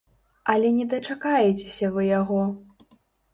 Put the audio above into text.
Але не дачакаецеся вы яго.